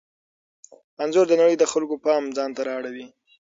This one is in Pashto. انځور د نړۍ د خلکو پام ځانته را اړوي.